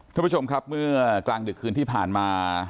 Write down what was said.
ท่านผู้ชมครับเมื่อกลางดึกคืนที่ผ่านมา